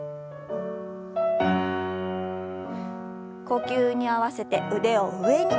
呼吸に合わせて腕を上に。